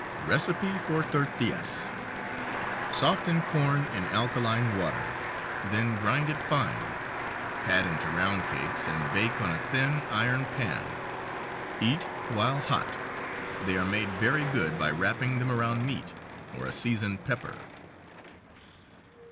Recipe for tortillas: Soften corn in alkaline water, then grind it fine, pat into round cakes, and bake on a thin, iron pan. Eat while hot. They are made very good by wrapping them around meat, or a seasoned pepper.